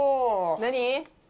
何？